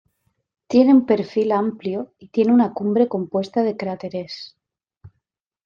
Tiene un perfil amplio y tiene una cumbre compuesta de cráteres.